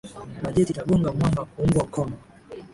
bajeti itagonga mwamba kuungwa mkono